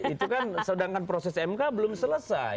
itu kan sedangkan proses mk belum selesai